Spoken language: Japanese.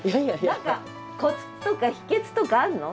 何かコツとか秘けつとかあるの？